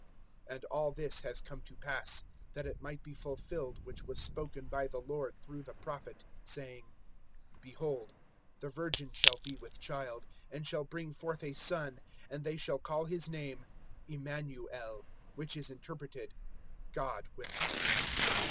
(22)And all this has come to pass, that it might be fulfilled which was spoken by the Lord through the prophet, saying: (23)Behold, the virgin shall be with child, And shall bring forth a son, And they shall call his name Immanuel; which is interpreted[1:23], God with us.